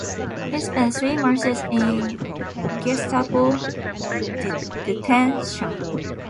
He spent three months in Gestapo detention.